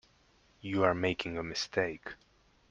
You are making a mistake.